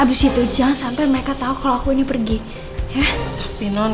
untung aja aku tadi udah share location